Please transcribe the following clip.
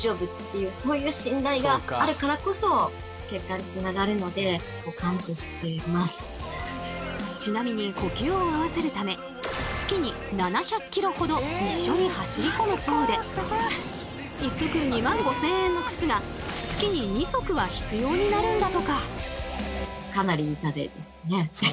いうそういう信頼があるからこそちなみに呼吸を合わせるため月に７００ｋｍほど一緒に走り込むそうで１足２万５，０００円の靴が月に２足は必要になるんだとか。